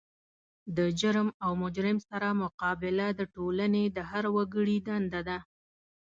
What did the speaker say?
د جرم او مجرم سره مقابله د ټولنې د هر وګړي دنده ده.